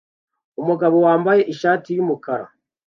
Umugabo wambaye ishati yumukara